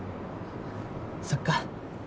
そっか。